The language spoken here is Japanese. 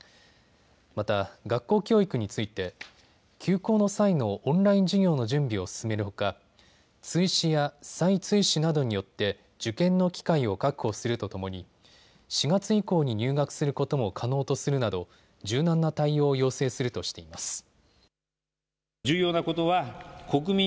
また、学校教育について休校の際のオンライン授業の準備を進めるほか、追試や再追試などによって受験の機会を確保するとともに４月以降に入学することも可能とするなど柔軟な対応を要請するとしています。